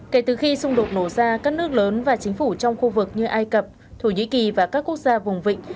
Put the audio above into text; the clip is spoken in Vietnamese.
kể từ khi xung đột nổ ra các nước lớn và chính phủ trong khu vực như ai cập thổ nhĩ kỳ và các quốc gia vùng vịnh